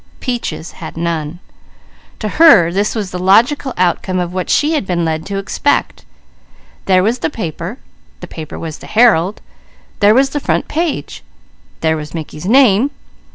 Peaches had none. To her this was the logical outcome of what she had been led to expect. There was the paper. The paper was the Herald. There was the front page. There was Mickey's name.